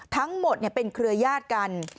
ทั้งหมดเป็นเครือยาศกัน